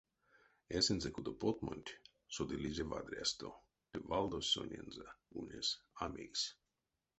Эсензэ кудо потмонть содылизе вадрясто, ды валдось сонензэ ульнесь а мейс.